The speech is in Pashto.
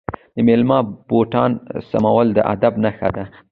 د میلمه بوټان سمول د ادب نښه ده.